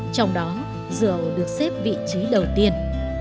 trong đó rượu được xếp vị trí đầu tiên